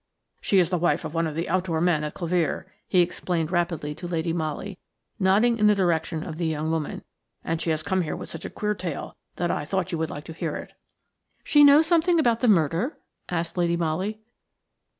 "She is the wife of one of the outdoor men at Clevere," he explained rapidly to Lady Molly, nodding in the direction of the young woman, "and she has come here with such a queer tale that I thought you would like to hear it." "She knows something about the murder?" asked Lady Molly.